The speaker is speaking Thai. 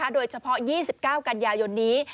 โดยเฉพาะ๒๙กันยายนนี้